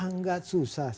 tidak susah ya